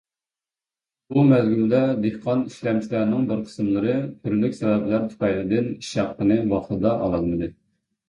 بۇ مەزگىلدە دېھقان ئىشلەمچىلەرنىڭ بىر قىسىملىرى تۈرلۈك سەۋەبلەر تۈپەيلىدىن ئىش ھەققىنى ۋاقتىدا ئالالمىدى.